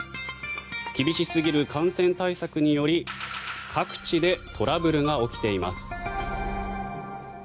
厳しすぎる感染対策により各地でトラブルが起きています。